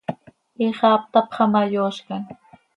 Ixaap tapxa ma, yoozcam.